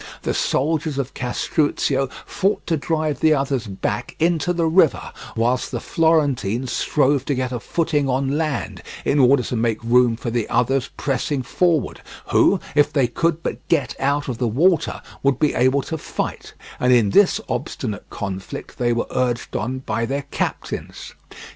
The soldiers of Castruccio fought to drive the others back into the river, whilst the Florentines strove to get a footing on land in order to make room for the others pressing forward, who if they could but get out of the water would be able to fight, and in this obstinate conflict they were urged on by their captains.